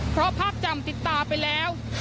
เพราะภาพจำติดตาไปแล้ว